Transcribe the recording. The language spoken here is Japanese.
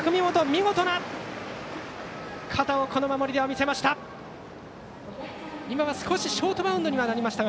見事な肩を守りで見せました！